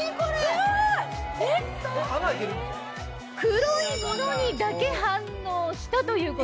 すごい！黒いものにだけ反応したということ。